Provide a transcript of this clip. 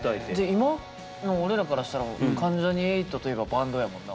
今の俺らからしたら関ジャニ∞といえばバンドやもんな。